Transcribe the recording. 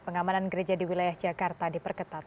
pengamanan gereja di wilayah jakarta diperketat